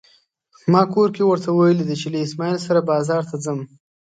ما کور کې ورته ويلي دي چې له اسماعيل سره بازار ته ځم.